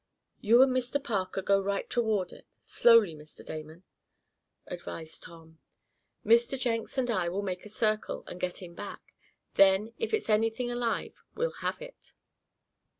"You and Mr. Parker go right toward it, slowly, Mr. Damon," advised Tom. "Mr. Jenks and I will make a circle, and get in back. Then, if it's anything alive we'll have it."